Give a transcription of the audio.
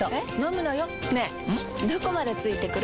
どこまで付いてくる？